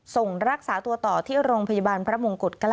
ส่งรักษาตัวต่อที่โรงพยาบาลพระมงกุฎเกล้า